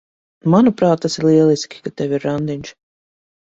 Manuprāt, tas ir lieliski, ka tev ir randiņš.